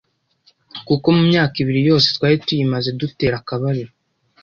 kuko mu myaka ibiri yose twari tuyimaze dutera akabariro